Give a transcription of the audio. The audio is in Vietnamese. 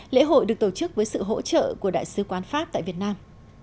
lễ hội được tổ chức với sự hỗ trợ của đại sứ quán pháp tại việt nam